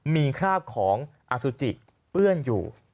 มีคราบของอสุจิเปื้อนอยู่